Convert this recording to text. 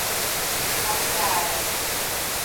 Cafeara